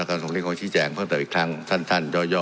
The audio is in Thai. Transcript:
กระทรงลิงค์ของชิคแจงเพิ่มเติบอีกครั้งท่านท่านย่อยย่อ